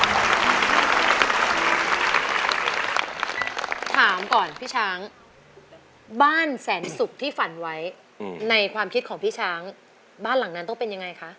ถามก่อนพี่ช้างบ้านแสนสุกที่ฝันไว้ในความคิดของพี่ช้างบ้านหลังนั้นต้องเป็นยังไงคะ